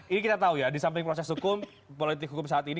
ini kita tahu ya di samping proses hukum politik hukum saat ini